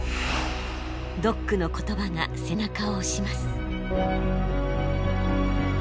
ドックの言葉が背中を押します。